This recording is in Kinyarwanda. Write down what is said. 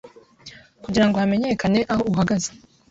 kugirango hamenyekane aho uhagaze